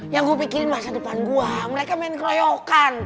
yang gue pikirin masa depan gue mereka main keroyokan